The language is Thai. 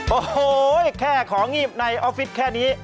โอ้โหแค่ของงีบในออฟฟิศแค่นี้